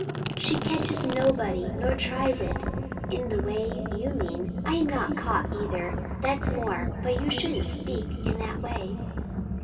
"She catches nobody, nor tries it, in the way you mean. I am not caught, either; that's more; but you shouldn't speak in that way."